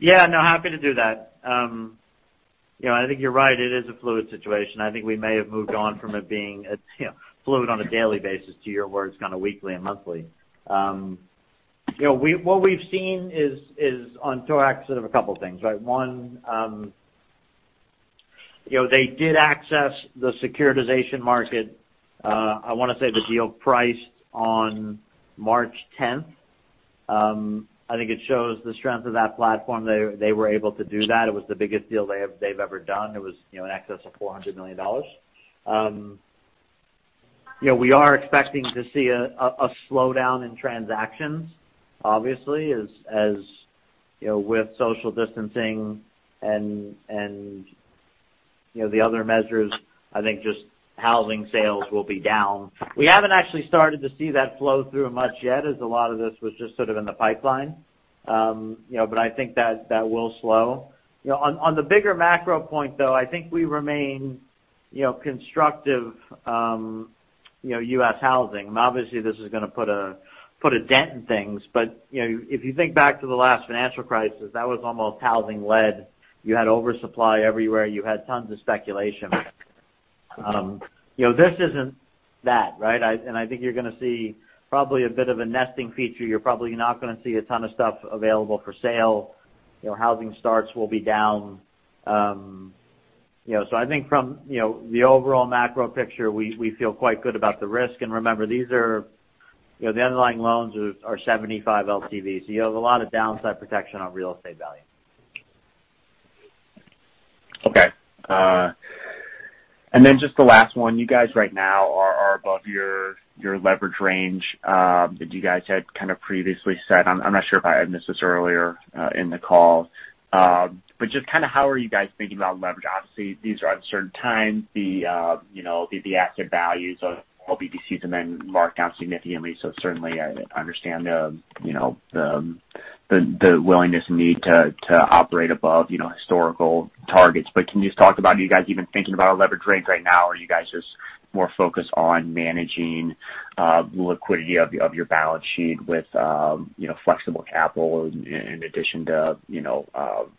D: No, happy to do that. I think you're right. It is a fluid situation. I think we may have moved on from it being fluid on a daily basis to your words, kind of weekly and monthly. What we've seen is on Toorak sort of a couple of things, right? One, they did access the securitization market. I want to say the deal priced on March 10th. I think it shows the strength of that platform. They were able to do that. It was the biggest deal they've ever done. It was in excess of $400 million. We are expecting to see a slowdown in transactions, obviously, as with social distancing and the other measures. I think just housing sales will be down. We haven't actually started to see that flow through much yet, as a lot of this was just sort of in the pipeline. But I think that will slow. On the bigger macro point, though, I think we remain constructive U.S. housing. Obviously, this is going to put a dent in things. But if you think back to the last financial crisis, that was almost housing-led. You had oversupply everywhere. You had tons of speculation. This isn't that, right? And I think you're going to see probably a bit of a nesting feature. You're probably not going to see a ton of stuff available for sale. Housing starts will be down. So I think from the overall macro picture, we feel quite good about the risk. And remember, these are the underlying loans are 75 LTV. So you have a lot of downside protection on real estate value.
K: Okay. And then just the last one. You guys right now are above your leverage range that you guys had kind of previously set. I'm not sure if I had missed this earlier in the call. But just kind of how are you guys thinking about leverage? Obviously, these are uncertain times. The asset values of BDCs have been marked down significantly. So certainly, I understand the willingness and need to operate above historical targets. But can you just talk about you guys even thinking about a leverage range right now, or are you guys just more focused on managing liquidity of your balance sheet with flexible capital in addition to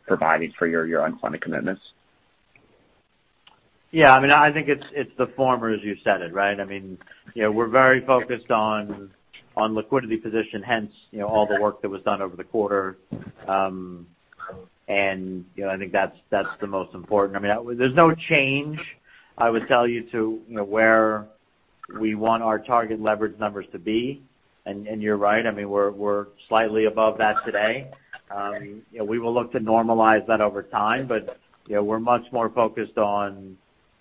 K: providing for your unfunded commitments?
D: Yeah. I mean, I think it's the former, as you said it, right? I mean, we're very focused on liquidity position, hence all the work that was done over the quarter. I think that's the most important. I mean, there's no change. I would tell you to where we want our target leverage numbers to be. You're right. I mean, we're slightly above that today. We will look to normalize that over time, but we're much more focused on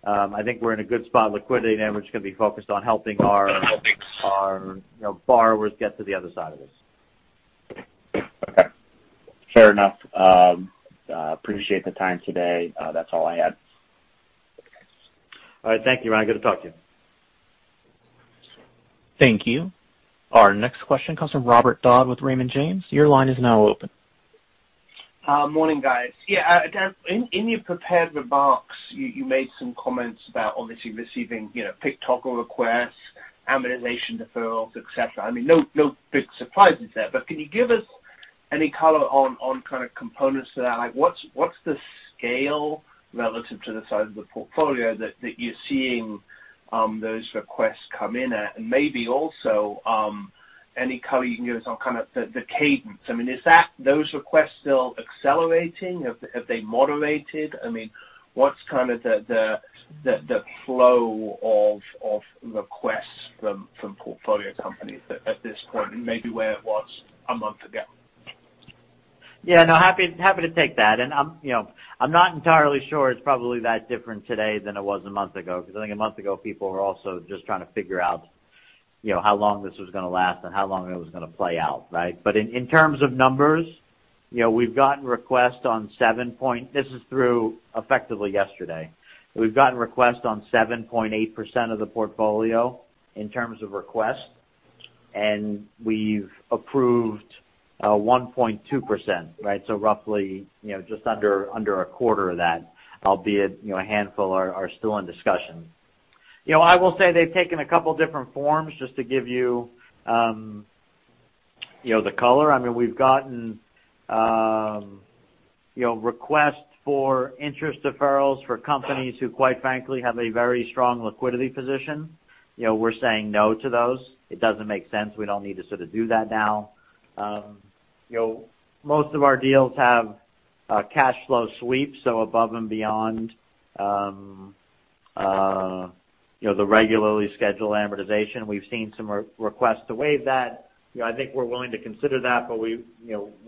D: I think we're in a good spot. Liquidity and leverage can be focused on helping our borrowers get to the other side of this.
K: Okay. Fair enough. Appreciate the time today. That's all I had.
D: All right. Thank you, Ryan. Good to talk to you.
A: Thank you. Our next question comes from Robert Dodd with Raymond James. Your line is now open.
L: Morning, guys. Yeah. In your prepared remarks, you made some comments about obviously receiving PIK toggle requests, amortization deferrals, etc. I mean, no big surprises there. But can you give us any color on kind of components to that? What's the scale relative to the size of the portfolio that you're seeing those requests come in at? And maybe also any color you can give us on kind of the cadence. I mean, are those requests still accelerating? Have they moderated? I mean, what's kind of the flow of requests from portfolio companies at this point, maybe where it was a month ago?
D: Yeah. No, happy to take that. I'm not entirely sure it's probably that different today than it was a month ago because I think a month ago, people were also just trying to figure out how long this was going to last and how long it was going to play out, right? But in terms of numbers, we've gotten requests on 7.8%. This is through effectively yesterday. We've gotten requests on 7.8% of the portfolio in terms of requests, and we've approved 1.2%, right? So roughly just under a quarter of that, albeit a handful are still in discussion. I will say they've taken a couple of different forms just to give you the color. I mean, we've gotten requests for interest deferrals for companies who, quite frankly, have a very strong liquidity position. We're saying no to those. It doesn't make sense. We don't need to sort of do that now. Most of our deals have cash flow sweeps, so above and beyond the regularly scheduled amortization. We've seen some requests to waive that. I think we're willing to consider that, but we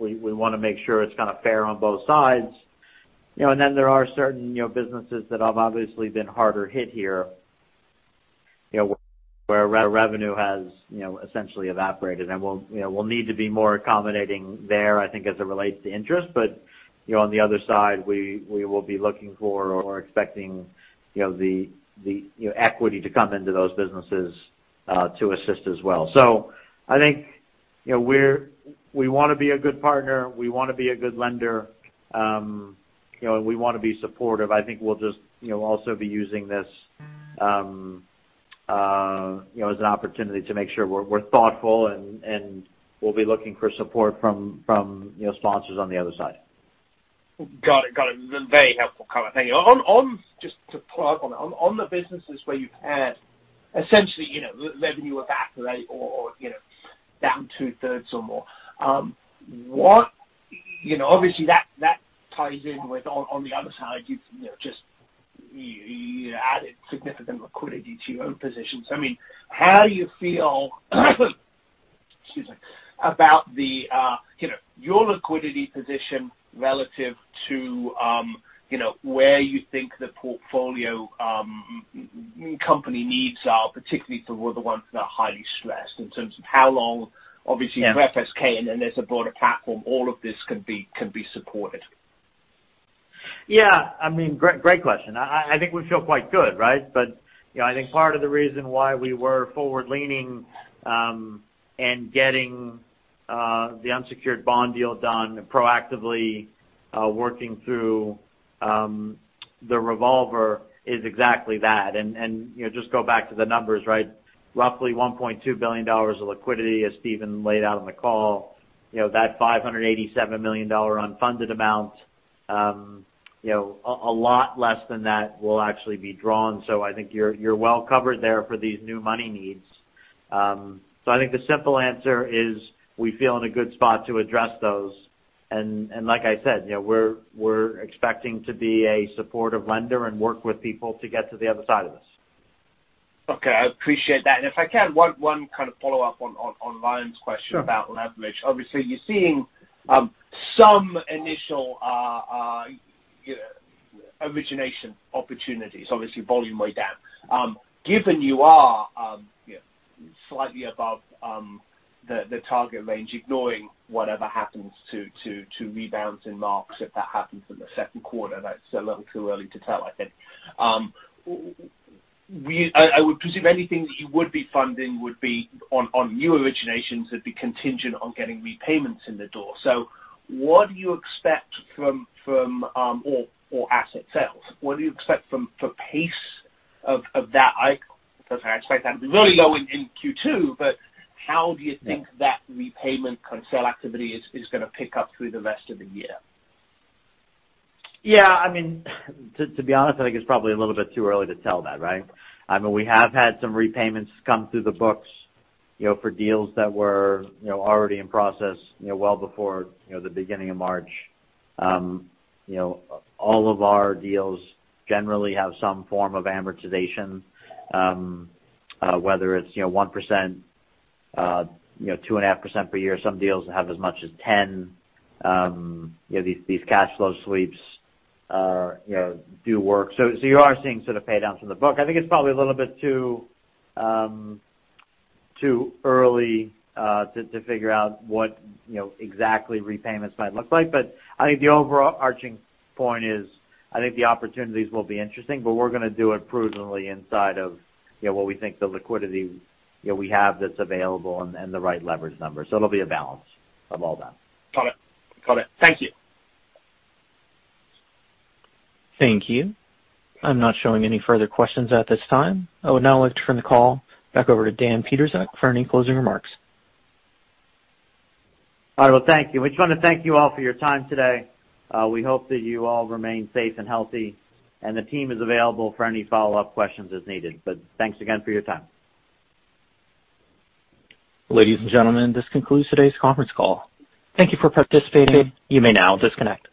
D: want to make sure it's kind of fair on both sides, and then there are certain businesses that have obviously been harder hit here where revenue has essentially evaporated, and we'll need to be more accommodating there, I think, as it relates to interest, but on the other side, we will be looking for or expecting the equity to come into those businesses to assist as well, so I think we want to be a good partner. We want to be a good lender. We want to be supportive. I think we'll just also be using this as an opportunity to make sure we're thoughtful, and we'll be looking for support from sponsors on the other side.
L: Got it. Got it. Very helpful kind of thing. Just to pull up on that, on the businesses where you've had essentially revenue evaporate or down two-thirds or more, obviously, that ties in with on the other side, you've just added significant liquidity to your own positions. I mean, how do you feel, excuse me, about your liquidity position relative to where you think the portfolio company needs are, particularly for the ones that are highly stressed in terms of how long, obviously, FSK, and then there's a broader platform, all of this can be supported?
D: Yeah. I mean, great question. I think we feel quite good, right? But I think part of the reason why we were forward-leaning and getting the unsecured bond deal done and proactively working through the revolver is exactly that. And just go back to the numbers, right? Roughly $1.2 billion of liquidity, as Steven laid out on the call, that $587 million unfunded amount, a lot less than that will actually be drawn. So I think you're well covered there for these new money needs. So I think the simple answer is we feel in a good spot to address those. And like I said, we're expecting to be a supportive lender and work with people to get to the other side of this.
L: Okay. I appreciate that. And if I can, one kind of follow-up on Ryan's question about leverage. Obviously, you're seeing some initial origination opportunities, obviously, volume way down. Given you are slightly above the target range, ignoring whatever happens to rebounds and marks if that happens in the second quarter, that's a little too early to tell, I think. I would presume anything that you would be funding would be on new originations would be contingent on getting repayments in the door. So what do you expect from our asset sales? What do you expect for pace of that? I expect that to be really low in Q2, but how do you think that repayment kind of sale activity is going to pick up through the rest of the year?
D: Yeah. I mean, to be honest, I think it's probably a little bit too early to tell that, right? I mean, we have had some repayments come through the books for deals that were already in process well before the beginning of March. All of our deals generally have some form of amortization, whether it's 1%, 2.5% per year. Some deals have as much as 10%. These cash flow sweeps do work. So you are seeing sort of paydowns from the book. I think it's probably a little bit too early to figure out what exactly repayments might look like. But I think the overarching point is I think the opportunities will be interesting, but we're going to do it prudently inside of what we think the liquidity we have that's available and the right leverage number. So it'll be a balance of all that.
L: Got it. Got it. Thank you.
A: Thank you. I'm not showing any further questions at this time. I would now like to turn the call back over to Dan Pietrzak for any closing remarks.
D: All right. Well, thank you. We just want to thank you all for your time today. We hope that you all remain safe and healthy, and the team is available for any follow-up questions as needed. But thanks again for your time.
A: Ladies and gentlemen, this concludes today's conference call. Thank you for participating. You may now disconnect.